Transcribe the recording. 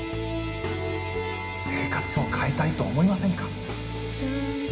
・生活を変えたいと思いませんか？